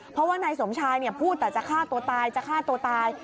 เพราะว่านายสมชายพูดแต่จะฆ่าตัวตายจะฆ่าตัวตาย